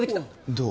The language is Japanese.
どう？